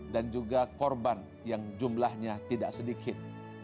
dan juga korban yang jumlahnya tidak sedikit